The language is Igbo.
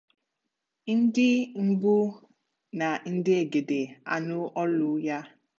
ndị mbụ na ndị ègèdè anụ olu ya.